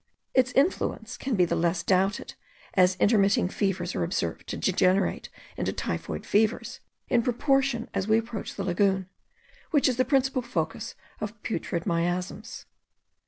Its influence can be the less doubted, as intermitting fevers are observed to degenerate into typhoid fevers, in proportion as we approach the lagoon, which is the principal focus of putrid miasms.